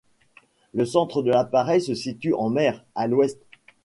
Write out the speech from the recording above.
Le centre de l'appareil se situe en mer, à l'ouest.